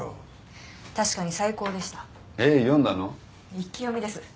一気読みです。